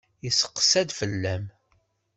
Yesteqsa-d fell-am.